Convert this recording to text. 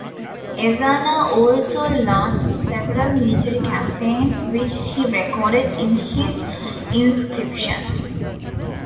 'Ezana also launched several military campaigns, which he recorded in his inscriptions.